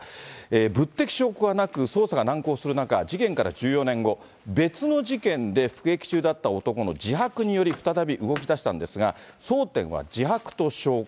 物的証拠はなく、捜査が難航する中、事件から１４年後、別の事件で服役中だった男の自白により、再び動きだしたんですが、争点は自白と証拠。